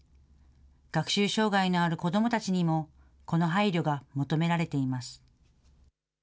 学習障害のある子どもたちにも、この配慮が求められています。